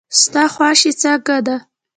ستا خواشي څنګه ده.